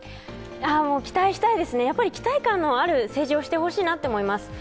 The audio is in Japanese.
期待したいですね、期待感のある政治をしてほしいなと思います。